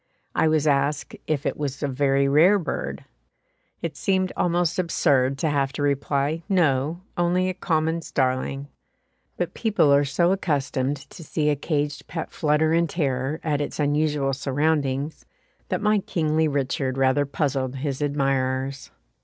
I was asked "if it was a very rare bird?" It seemed almost absurd to have to reply, "No, only a common starling;" but people are so accustomed to see a caged pet flutter in terror at its unusual surroundings, that my kingly Richard rather puzzled his admirers.